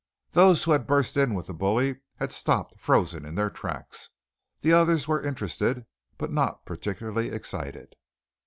Those who had burst in with the bully had stopped frozen in their tracks. The others were interested, but not particularly excited.